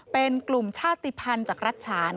เป็นกลุ่มชาติภัณฑ์จากรัฐฉาน